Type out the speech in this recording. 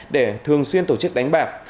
để thường xuyên tổ chức đánh bạc